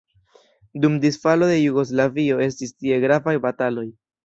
Dum disfalo de Jugoslavio estis tie gravaj bataloj.